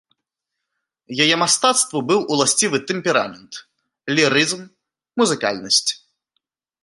Яе мастацтву быў уласцівы тэмперамент, лірызм, музыкальнасць.